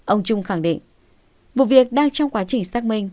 ông trung khẳng định vụ việc đang trong quá trình xác minh